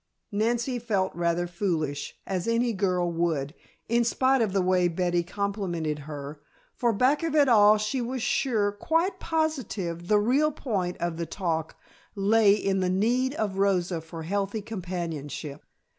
Nancy felt rather foolish, as any girl would, in spite of the way Betty complimented her, for back of it all she was sure, quite positive the real point of the talk lay in the need of Rosa for healthy companionship.